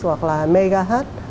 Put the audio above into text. hoặc là mega hot